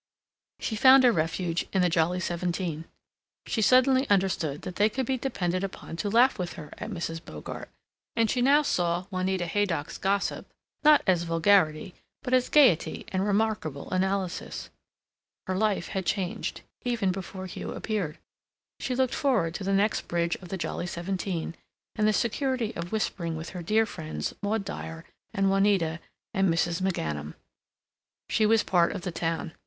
She found a refuge in the Jolly Seventeen. She suddenly understood that they could be depended upon to laugh with her at Mrs. Bogart, and she now saw Juanita Haydock's gossip not as vulgarity but as gaiety and remarkable analysis. Her life had changed, even before Hugh appeared. She looked forward to the next bridge of the Jolly Seventeen, and the security of whispering with her dear friends Maud Dyer and Juanita and Mrs. McGanum. She was part of the town.